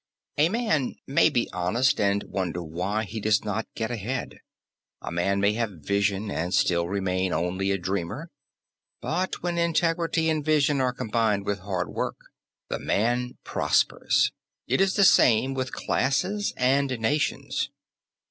A man may be honest and wonder why he does not get ahead; a man may have vision and still remain only a dreamer; but when integrity and vision are combined with hard work, the man prospers. It is the same with classes and nations.